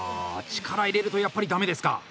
力入れるとやっぱり、だめですか？